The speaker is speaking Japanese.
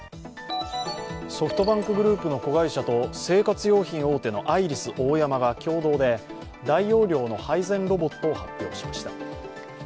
ソフトバンクグループの子会社と生活用品大手のアイリスオーヤマが共同で大容量の配膳ロボットを発表しました。